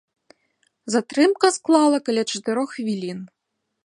Затрымка склала каля чатырох хвілін.